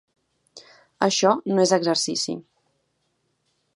Això no és exercici.